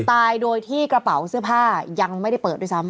ตายโดยที่กระเป๋าเสื้อผ้ายังไม่ได้เปิดด้วยซ้ำ